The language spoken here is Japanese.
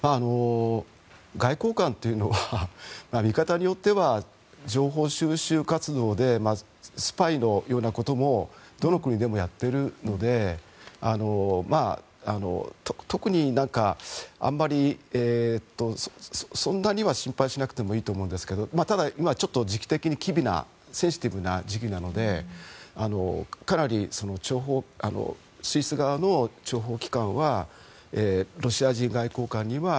外交官というのは見方によっては情報収集活動でスパイのようなこともどの国でもやってるので特に、あまりそんなには心配しなくてもいいと思うんですけどただ、時期的に機微なセンシティブな時期なのでかなりスイス側の諜報機関はロシア人外交官には